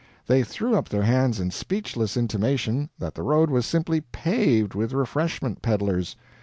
They threw up their hands in speechless intimation that the road was simply paved with refreshment peddlers.